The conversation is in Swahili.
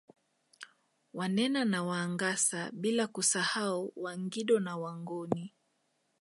Wanena na Wangasa bila kusahau Wangindo na Wangoni